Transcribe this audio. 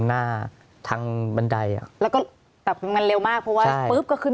หน้าทางบันไดอ่ะแล้วก็แบบมันเร็วมากเพราะว่าปุ๊บก็ขึ้น